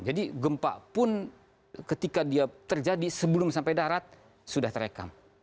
jadi gempa pun ketika dia terjadi sebelum sampai darat sudah terekam